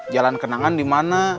jalan kenangan dimana